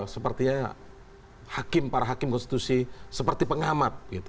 sepertinya para hakim konstitusi seperti pengamat